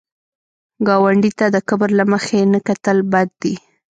ګاونډي ته د کبر له مخې نه کتل بد دي